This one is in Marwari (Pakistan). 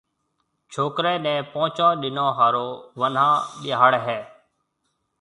ڇوڪرَي نيَ پونچون ڏنون ھارو وناھ ٻياھݪي ھيَََ